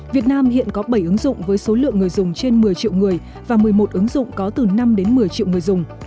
việt nam hiện có bảy ứng dụng với số lượng người dùng trên một mươi triệu người và một mươi một ứng dụng có từ năm đến một mươi triệu người dùng